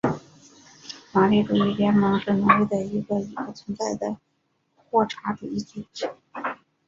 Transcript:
马列主义联盟是挪威的一个已不存在的霍查主义组织。